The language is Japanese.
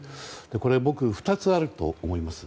これは僕、２つあると思います。